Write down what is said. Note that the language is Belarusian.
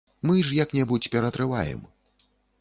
Мы ж як-небудзь ператрываем.